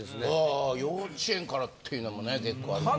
あ幼稚園からっていうのもね結構ありますし。